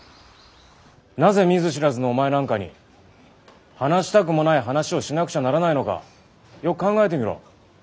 なぜ見ず知らずのお前なんかに話したくもない話をしなくちゃならないのかよく考えてみろ。